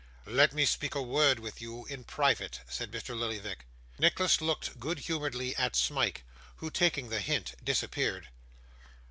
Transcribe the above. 'Let me speak a word with you in private,' said Mr. Lillyvick. Nicholas looked good humouredly at Smike, who, taking the hint, disappeared.